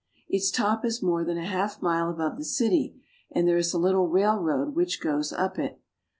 Its top is more than a half mile above the city, and there is a little railroad which goes up it.